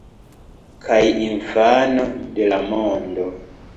Kaj infano de la mondo.